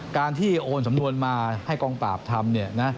การที่โอนสำนวนมาให้กองตาบทำ